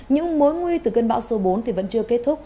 những mối nguy từ cơn bão số bốn thì vẫn chưa kết thúc